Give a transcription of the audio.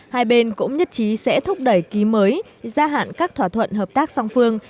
hai bên cũng nhất trí sẽ thúc đẩy ký mới gia hạn các thỏa thuận hợp tác song phương